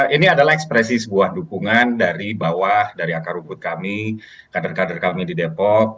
ini adalah ekspresi sebuah dukungan dari bawah dari akar rumput kami kader kader kami di depok